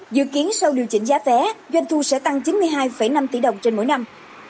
dự kiến sau điều chỉnh giá vé doanh thu sẽ tăng chín mươi hai năm tỷ đồng trên mỗi năm